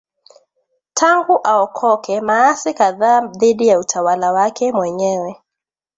tangu aokoke maasi kadhaa dhidi ya utawala wake mwenyewe